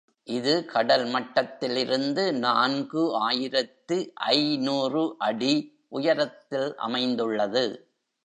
இது கடல் மட்டத்திலிருந்து நான்கு ஆயிரத்து ஐநூறு அடி உயரத்தில் அமைந்துள்ளது.